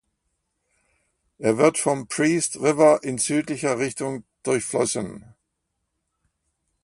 Er wird vom Priest River in südlicher Richtung durchflossen.